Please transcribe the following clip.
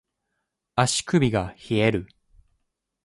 足首が冷える